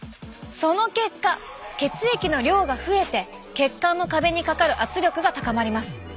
その結果血液の量が増えて血管の壁にかかる圧力が高まります。